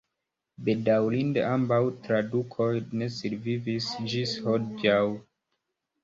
Bedaŭrinde ambaŭ tradukoj ne survivis ĝis hodiaŭ.